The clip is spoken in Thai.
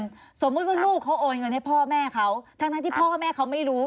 จะโอนเงินให้พ่อแม่เขาทั้งนั้นที่พ่อแม่เขาไม่รู้